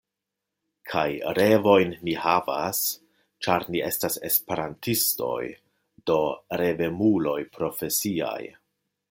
Kaj revojn ni havas, ĉar ni estas Esperantistoj, do revemuloj profesiaj.